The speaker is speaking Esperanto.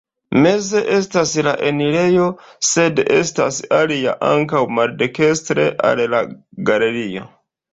Meze estas la enirejo, sed estas alia ankaŭ maldekstre al la galerio.